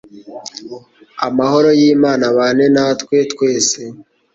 Amahoro yimana abane natwe twese